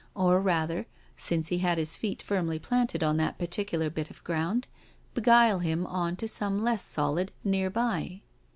Or rather, since he had his feet firmly planted on that particular bit of ground, beguile him on to some less solid near by.